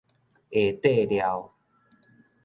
下塊廖